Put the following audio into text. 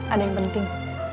ada yang penting